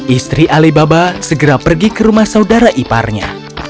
istri alibaba segera pergi ke rumah saudara iparnya